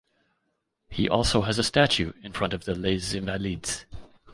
He also has a statue in front of the Les Invalides.